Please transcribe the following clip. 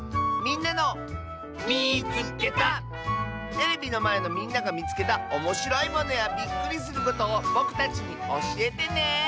テレビのまえのみんながみつけたおもしろいものやびっくりすることをぼくたちにおしえてね！